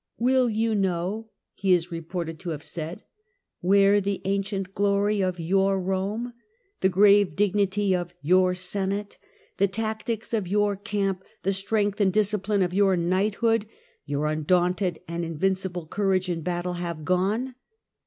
" Will you know," he is reported to have said, " where the ancient glory of your Rome, the grave dignity of your Senate, the tactics of your camp, the strength and discipline of your knighthood, your un daunted and invincible courage in battle, have gone